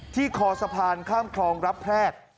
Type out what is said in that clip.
คอสะพานข้ามคลองรับแพรก